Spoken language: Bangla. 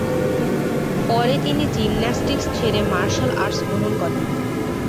পরে তিনি জিমন্যাস্টিকস ছেড়ে মার্শাল আর্টস গ্রহণ করেন।